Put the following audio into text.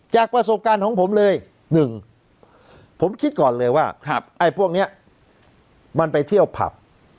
จากประสบการณ์ของผมเลย๑ผมคิดก่อนเลยว่าไอ้พวกนี้มันไปเที่ยวผับ